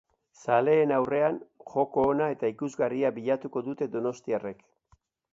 Zaleen aurrean, joko ona eta ikusgarria bilatuko dute donostiarrek.